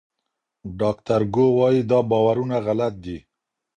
ډاکټر ګو وايي دا باورونه غلط دي.